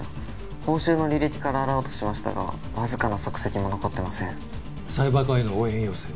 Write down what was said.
報酬の履歴から洗おうとしましたが僅かな足跡も残ってませんサイバー課への応援要請は？